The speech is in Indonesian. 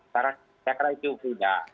saya kira itu mudah